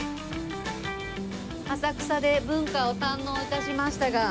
浅草で文化を堪能致しましたがさあ